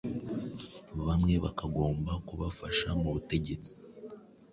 Bamwe bakagomba kubafasha mu butegetsi